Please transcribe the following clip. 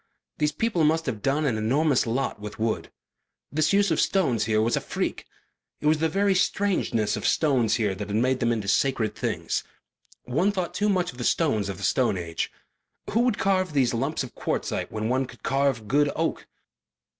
These people must have done an enormous lot with wood. This use of stones here was a freak. It was the very strangeness of stones here that had made them into sacred things. One thought too much of the stones of the Stone Age. Who would carve these lumps of quartzite when one could carve good oak?